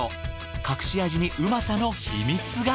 隠し味にうまさの秘密が。